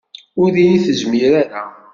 Ur d iyi-tezmir ara.